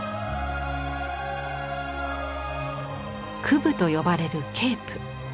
クブと呼ばれるケープ。